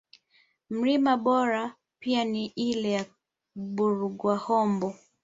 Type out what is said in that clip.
Mlima Boru pia na ile ya Bugulwahombo